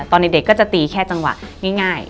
ตอนเด็กก็จะตีแค่จังหวะง่าย